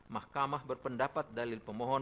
mahkamah berpendapat dalil pemohon